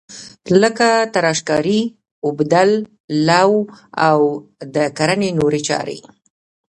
لکه تراشکاري، اوبدل، لو او د کرنې نورې چارې.